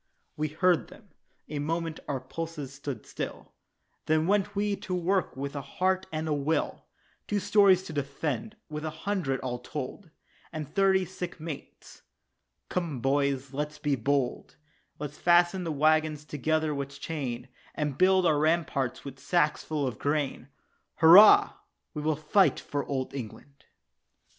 We heard them, a moment our pulses stood still, Then went we to work with a heart and a will Two stores to defend with a hundred, all told, And thirty sick mates. "Come, boys, let's be bold; Let's fasten the waggons together with chain, And build up our ramparts with sacks full of grain." "Hurrah, we will fight for Old England."